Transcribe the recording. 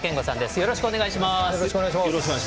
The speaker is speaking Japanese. よろしくお願いします。